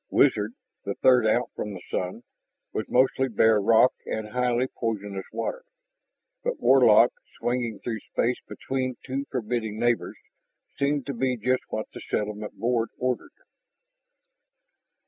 Wizard, the third out from the sun, was mostly bare rock and highly poisonous water. But Warlock, swinging through space between two forbidding neighbors, seemed to be just what the settlement board ordered.